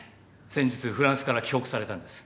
先日フランスから帰国されたんです。